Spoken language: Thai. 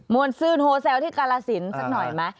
วนซื่นโฮเซลที่กาลสินสักหน่อยไหม